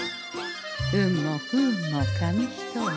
運も不運も紙一重。